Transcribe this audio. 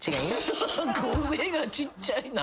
声がちっちゃいな。